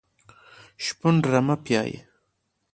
شپون رمه پیایي .